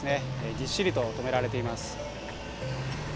ぎっしりと止められています。